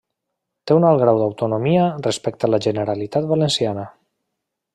Té un alt grau d'autonomia respecte de la Generalitat Valenciana.